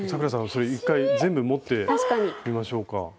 それ一回全部持ってみましょうか。